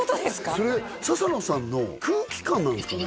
それ笹野さんの空気感なんですかね？